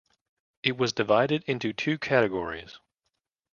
It was divided into two categories.